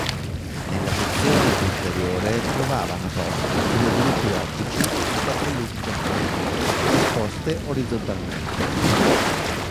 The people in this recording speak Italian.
Nella sezione posteriore trovavano posto due gruppi ottici da tre luci ciascuno disposte orizzontalmente.